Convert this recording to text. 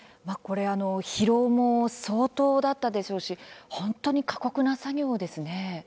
疲労も相当だったでしょうし本当に過酷な作業ですね。